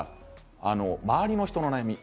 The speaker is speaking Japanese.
周りの人の悩み